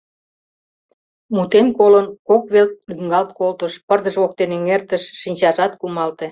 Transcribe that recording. Мутем колын, кок век лӱҥгалт колтыш, пырдыж воктен эҥертыш, шинчажат кумалте.